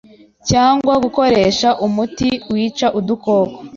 cyangwa gukoresha umuti wica udukoko